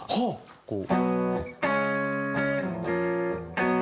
こう。